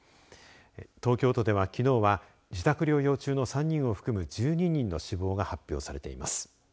東京都ではきのうは自宅療養中の３人を含む１２人の死亡が発表されています。